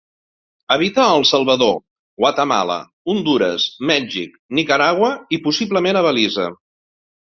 Habita al Salvador, Guatemala, Hondures, Mèxic, Nicaragua i possiblement a Belize.